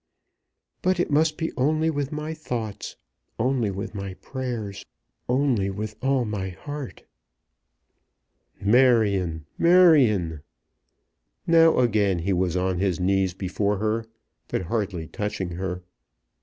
But it must be only with my thoughts, only with my prayers, only with all my heart." "Marion, Marion!" Now again he was on his knees before her, but hardly touching her.